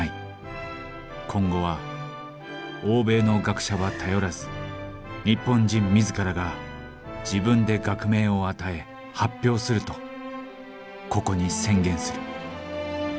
今後は欧米の学者は頼らず日本人自らが自分で学名を与え発表するとここに宣言する」。